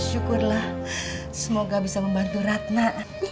syukurlah semoga bisa membantu ratna